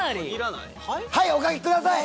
はいお書きください！